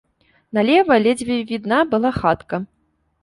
Налева ледзьве відна была хатка.